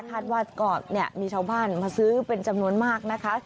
คาดว่าก็มีชาวบ้านมาซื้อเป็นจำนวนมากนะคะ